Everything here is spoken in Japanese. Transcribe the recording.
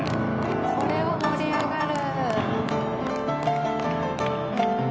これは盛り上がる。